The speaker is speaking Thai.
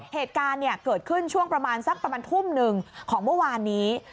เหตุการณ์เกิดขึ้นช่วงประมาณสักประมาณทุ่มหนึ่งของเมื่อวานนี้